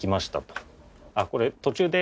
あっこれ途中で。